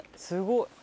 すごい！